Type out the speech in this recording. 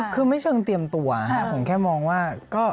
คือไม่เชิงเตรียมตัวครับผมแค่มองว่าก็